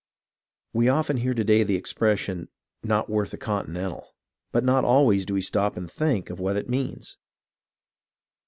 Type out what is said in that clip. We often hear to day the expression, " Not worth a continental," but not always do we stop to think of what it means.